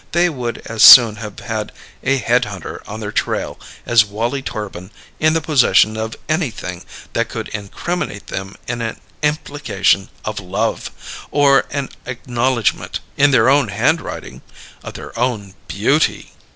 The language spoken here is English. they would as soon have had a Head hunter on their trail as Wallie Torbin in the possession of anything that could incriminate them in an implication of love or an acknowledgment (in their own handwriting!) of their own beauty.